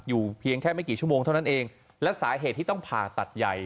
เพียงแค่ไม่กี่ชั่วโมงเท่านั้นเองและสาเหตุที่ต้องผ่าตัดใหญ่